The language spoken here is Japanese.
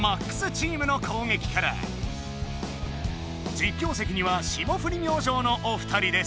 実況席には霜降り明星のお二人です。